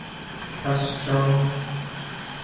Passt schon!